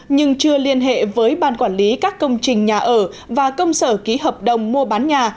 nhưng chưa liên hệ với ban quản lý các công trình nhà ở và công sở ký hợp đồng mua bán nhà